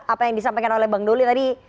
apa yang disampaikan oleh bang doli tadi